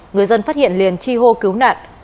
người dân phát hiện liền chi hô cứu nạn